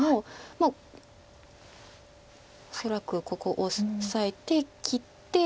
まあ恐らくここオサえて切って。